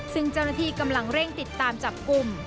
ซึ่งเจ้าหน้าที่กำลังเร่งติดตามจับกลุ่ม